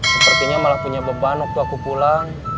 sepertinya malah punya beban waktu aku pulang